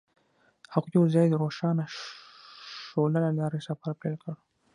هغوی یوځای د روښانه شعله له لارې سفر پیل کړ.